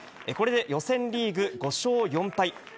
これで予選リーグ５勝４敗。